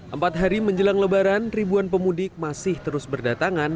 empat hari menjelang lebaran ribuan pemudik masih terus berdatangan